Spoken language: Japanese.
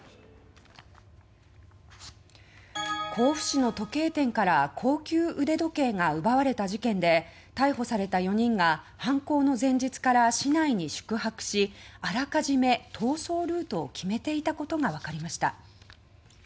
甲府市の時計店から高級腕時計が奪われた事件で逮捕された４人が犯行の前日から市内に宿泊しあらかじめ逃走ルートを決めていたことがわかりました。